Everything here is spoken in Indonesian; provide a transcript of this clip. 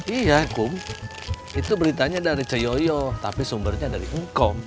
iya kung itu beritanya dari coyoyo tapi sumbernya dari engkau